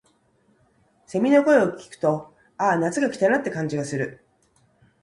蝉の鳴き声を聞くと、「ああ、夏が来たな」って感じがする。